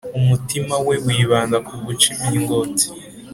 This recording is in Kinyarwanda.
Umutima we wibanda ku guca imingoti,